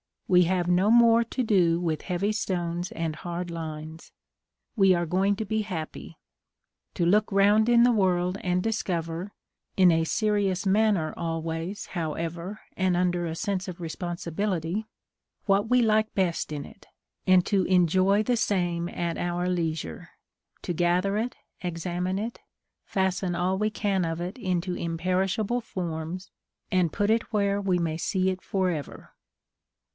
We have no more to do with heavy stones and hard lines; we are going to be happy: to look round in the world and discover (in a serious manner always, however, and under a sense of responsibility) what we like best in it, and to enjoy the same at our leisure: to gather it, examine it, fasten all we can of it into imperishable forms, and put it where we may see it for ever.